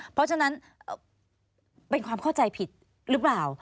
เพราะฉะนั้นเป็นความเข้าใจผิดหรือเปล่า